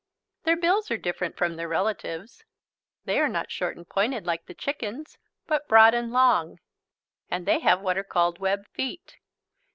Their bills are different from their relatives'. They are not short and pointed like the chicken's but broad and long. And they have what are called web feet.